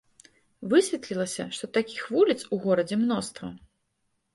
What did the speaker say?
Высветлілася, што такіх вуліц у горадзе мноства.